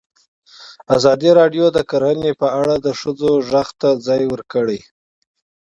ازادي راډیو د کرهنه په اړه د ښځو غږ ته ځای ورکړی.